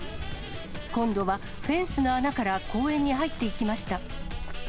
今度はフェンスの穴から公園に入っていきました。